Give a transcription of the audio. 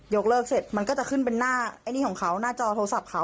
เลิกเสร็จมันก็จะขึ้นเป็นหน้าไอ้นี่ของเขาหน้าจอโทรศัพท์เขา